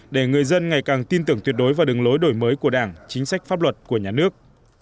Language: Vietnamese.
để người dân ngày càng tin tưởng tuyệt đối vào đường lối đổi mới của đảng chính sách pháp luật của nhà nước